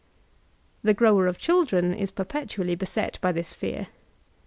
^ The grower of children is perpetually beset by this fear.